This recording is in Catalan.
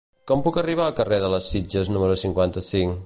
Com puc arribar al carrer de les Sitges número cinquanta-cinc?